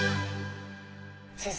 先生